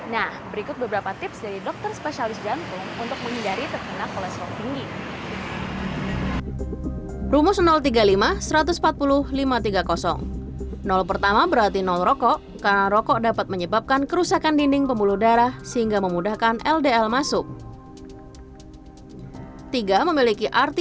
nah berikut beberapa tips dari dokter spesialis tersebut